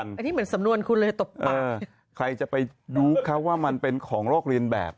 อันนี้เหมือนสำนวนคุณเลยตบปากใครจะไปรู้เขาว่ามันเป็นของโรคเรียนแบบ